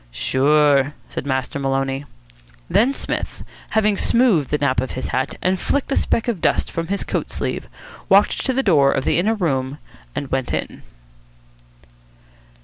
"Sure," said Master Maloney. Then Psmith, having smoothed the nap of his hat and flicked a speck of dust from his coat sleeve, walked to the door of the inner room and went in.